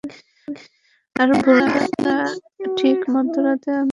আর ভুলবেন না, ঠিক মধ্যরাতে, আমি আমার জীবনের সেরা ঘোষণা দিবো!